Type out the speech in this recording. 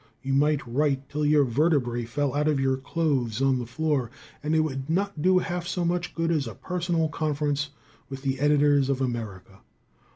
You might write till your vertebrae fell out of your clothes on the floor, and it would not do half so much good as a personal conference with the editors of America.